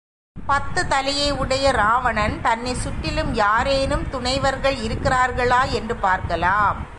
பத்துத் தலையையுடைய இராவணன் தன்னைச் சுற்றிலும் யாரேனும் துணைவர்கள் இருக்கிறார்களா என்று பார்க்கலாம்.